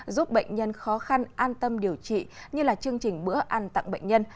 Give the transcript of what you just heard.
giúp bệnh nhân khó khăn an tâm điều trị như là chương trình bữa ăn tặng bệnh nhân